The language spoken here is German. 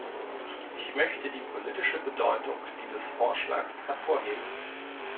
Ich möchte die politische Bedeutung dieses Vorschlags hervorheben.